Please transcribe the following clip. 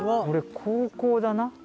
これ高校だな。